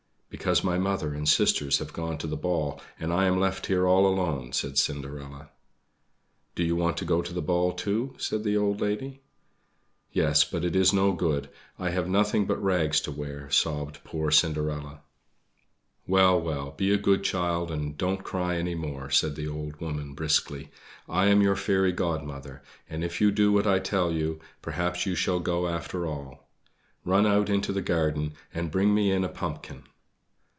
"Because my mother and sisters have gone to the ball, and I am left here all alone," said Cinderella. "Do you want to go to the ball, too!" said the old lady. "Yes, but it is no good; I have nothing but rags to wear," sobbed poor Cinderella. "Well, well, be a good child and don't cry any more," said the old woman, briskly. "I am your Fairy Godmother, and if you do what I tell you, perhaps you shall go after all. Run out into the garden and bring me in a pumpkin!"